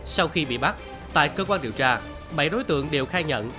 sau khi bị bắt tại cơ quan điều tra bảy đối tượng đều khai nhận